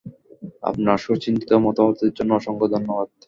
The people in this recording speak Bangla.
আপনার সুচিন্তিত মতামতের জন্য অসংখ্য ধন্যবাদ।